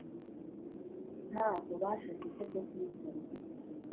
Nta bubasha mfite bwo kubikora